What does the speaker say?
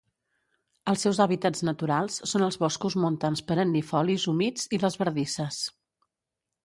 Els seus hàbitats naturals són els boscos montans perennifolis humits i les bardisses.